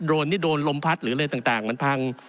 รนที่โดนลมพัดหรืออะไรต่างมันพัง